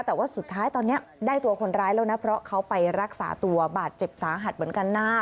แต่ว่าสุดท้ายตอนนี้ได้ตัวคนร้ายแล้วนะเพราะเขาไปรักษาตัวบาดเจ็บสาหัสเหมือนกันนะ